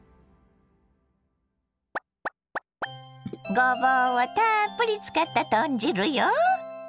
ごぼうをたっぷり使った豚汁よ。